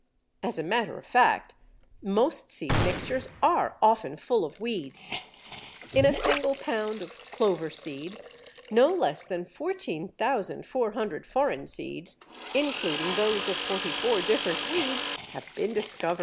As a matter of fact, most seed mixtures are often full of weeds. In a single pound of clover seed, no less than 14,400 foreign seeds, including those of forty four different weeds, have been discovered.